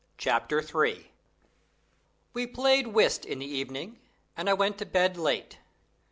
CHAPTER III We played whist in the evening, and I went to bed late.